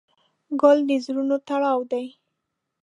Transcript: ګل د زړونو تړاو دی.